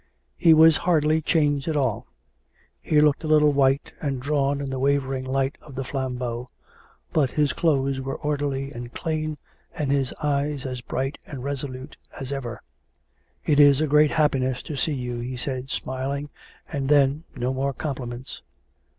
He was hardly changed at all. He looked a little white and drawn in the wavering light of the flambeau; but his clothes were orderly and clean, and his eyes as bright and resolute as ever. " It is a great happiness to see you," he said, smiling, and then no more compliments.